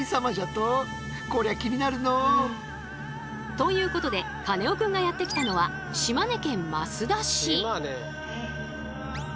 ということでカネオくんがやって来たのは島根。